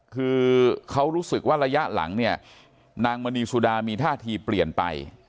คือเขารู้สึกว่าระยะหลังเนี่ยนางมณีสุดามีท่าทีเปลี่ยนไป